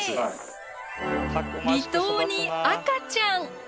離島に赤ちゃん。